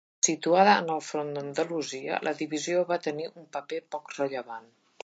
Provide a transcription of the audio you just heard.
Situada en el front d'Andalusia, la divisió va tenir un paper poc rellevant.